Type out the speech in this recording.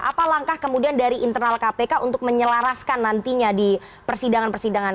apa langkah kemudian dari internal kpk untuk menyelaraskan nantinya di persidangan persidangan